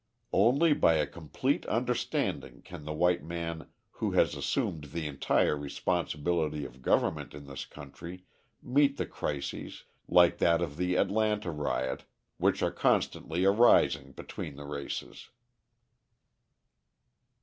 Only by a complete understanding can the white man who has assumed the entire responsibility of government in this country meet the crises, like that of the Atlanta riot, which are constantly arising between the races.